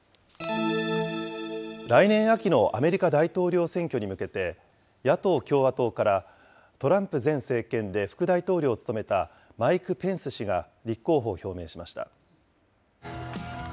来年秋のアメリカ大統領選挙に向けて、野党・共和党から、トランプ前政権で副大統領を務めたマイク・ペンス氏が立候補を表明しました。